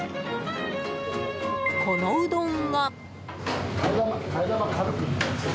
このうどんが。